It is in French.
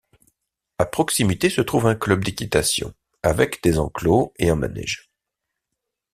À proximité se trouve un club d'équitation avec des enclos et un manège.